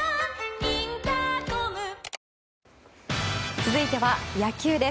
続いては野球です。